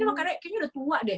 karena kayaknya udah tua deh